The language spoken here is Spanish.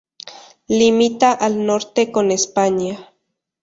Limita al norte con España.